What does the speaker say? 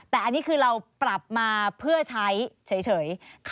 แต่อันนี้คือเราปรับมาเพื่อใช้เฉย